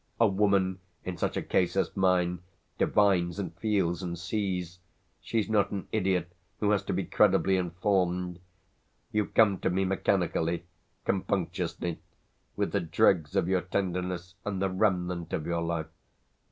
A woman, in such a case as mine, divines and feels and sees; she's not an idiot who has to be credibly informed. You come to me mechanically, compunctiously, with the dregs of your tenderness and the remnant of your life.